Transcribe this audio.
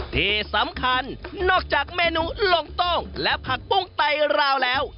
ที่สำคัญนอกจากเมนูลงโต้งและผักปุ้งไตราวแล้ว